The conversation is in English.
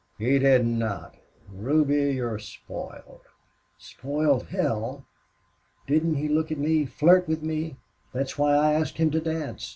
"He did not. Ruby, you're spoiled " "Spoiled hell!... Didn't he look at me, flirt with me? That's why I asked him to dance.